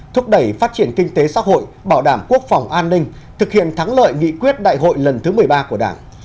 thúc đẩy phát triển kinh tế xã hội bảo đảm quốc phòng an ninh thực hiện thắng lợi nghị quyết đại hội lần thứ một mươi ba của đảng